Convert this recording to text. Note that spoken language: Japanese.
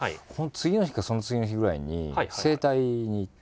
次の日かその次の日ぐらいに整体に行って。